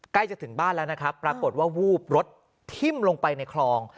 ใกล้จะถึงบ้านแล้วนะครับปรากฏว่าวูบรถทิ้มลงไปในคลอง